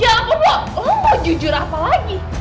ya ampun lo lo gak jujur apa lagi